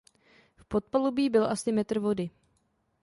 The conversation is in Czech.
V podpalubí byl asi metr vody.